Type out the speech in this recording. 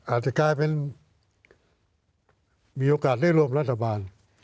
อาจจะกลายเป็นมีโอกาสได้ร่วมรัฐบาล